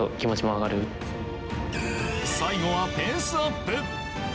最後はペースアップ。